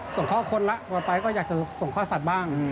ส่งเคาะคนละต่อไปก็อยากจะส่งเคาะสัตว์บ้าง